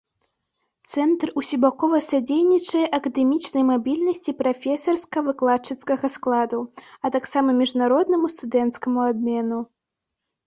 Цэнтр усебакова садзейнічае акадэмічнай мабільнасці прафесарска-выкладчыцкага складу, а таксама міжнароднаму студэнцкаму абмену.